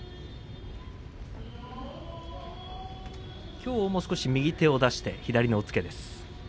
きょうも少し右手を出して左の押っつけです。